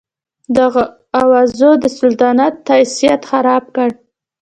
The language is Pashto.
دغو اوازو د سلطنت حیثیت خراب کړ.